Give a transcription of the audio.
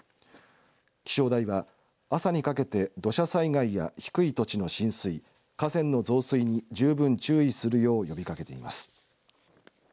気象台は朝にかけて土砂災害や低い土地の浸水河川の増水に十分注意するよう呼びかけています。